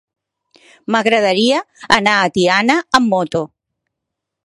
M'agradaria anar a Tiana amb moto.